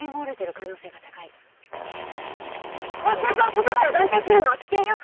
骨折を外から断定するのは危険よ！